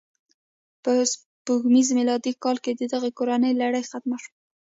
په سپوږمیز میلادي کال کې د دې کورنۍ لړۍ ختمه شوه.